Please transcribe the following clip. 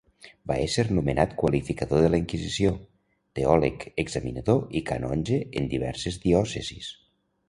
Va ésser nomenat qualificador de la Inquisició, teòleg, examinador i canonge en diverses diòcesis.